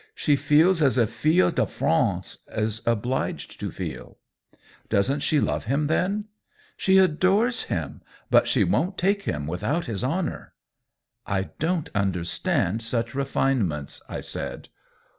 She feels as a fille de France is obliged to feel !"" Doesn't she love him then ?"" She adores him. But she won't take him without his honor." " I don't understand such refinements !" I said.